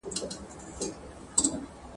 ژړي پاڼي به دي یو په یو توییږي ..